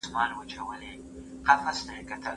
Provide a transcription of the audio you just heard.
زه مخکي سیر کړی و؟